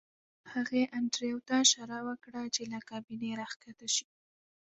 هغې انډریو ته اشاره وکړه چې له کابینې راښکته شي